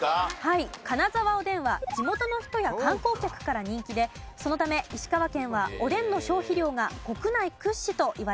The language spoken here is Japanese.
金沢おでんは地元の人や観光客から人気でそのため石川県はおでんの消費量が国内屈指といわれています。